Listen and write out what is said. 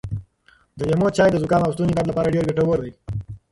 د لیمو چای د زکام او ستوني درد لپاره ډېر ګټور دی.